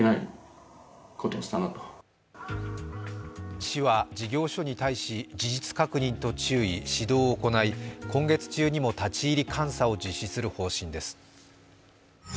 市は事業所に対し事実確認と注意、指導を行い今月中にも、立ち入り監査を実施する方針です。